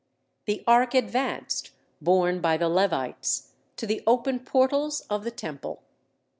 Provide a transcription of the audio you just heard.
The Ark advanced, borne by the Levites, to the open portals of the Temple.